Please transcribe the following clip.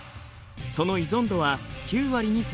その依存度は９割に迫ります。